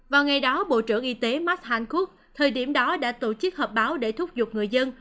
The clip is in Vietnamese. vào ngày đó bộ trưởng y tế mark hancock thời điểm đó đã tổ chức hợp báo để thúc giục người dân